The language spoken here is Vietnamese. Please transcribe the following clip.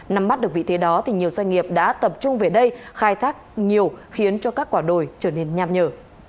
nắm mắt được vị thế đó thì nhiều doanh nghiệp đã tập trung về đây khai thác nhiều khiến cho các quả đồi trở nên nham nhở